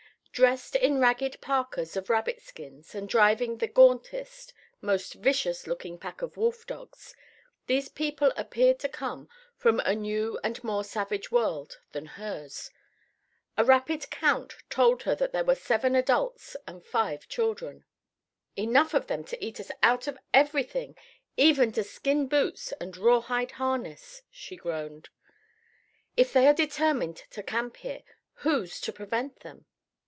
Dressed in ragged parkas of rabbit skins, and driving the gauntest, most vicious looking pack of wolf dogs, these people appeared to come from a new and more savage world than hers. A rapid count told her there were seven adults and five children. "Enough of them to eat us out of everything, even to skin boots and rawhide harness," she groaned. "If they are determined to camp here, who's to prevent them?"